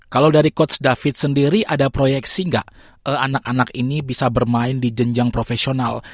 kalau dari coach david sendiri ada proyeksi nggak anak anak ini bisa bermain di jenjang profesional